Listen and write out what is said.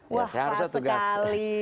wah keras sekali